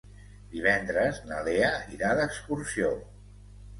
Divendres na Lea irà d'excursió.